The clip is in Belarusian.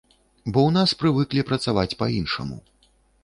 Бо ў нас прывыклі працаваць па-іншаму.